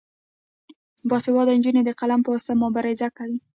باسواده نجونې د قلم په واسطه مبارزه کوي.